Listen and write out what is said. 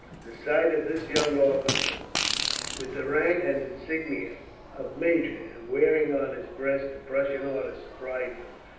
The sight of this young officer, with the rank and insignia of major, and wearing on his breast the Prussian order, surprised him.